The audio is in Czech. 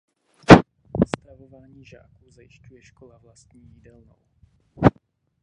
Stravování žáků zajišťuje škola vlastní jídelnou.